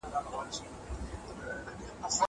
مځکه له سړک ښه ده!!